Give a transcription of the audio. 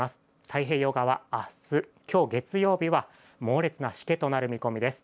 太平洋側、あす、きょう月曜日は猛烈なしけとなる見込みです。